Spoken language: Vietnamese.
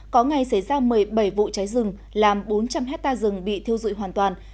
có ngày xảy ra một mươi bảy vụ cháy rừng làm bốn trăm linh hectare rừng bị thiêu dụi hoàn toàn